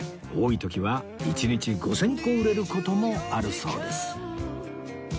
多い時は一日５０００個売れる事もあるそうです